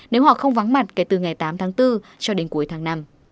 nếu họ không vắng mặt kể từ ngày tám tháng bốn cho đến cuối tháng năm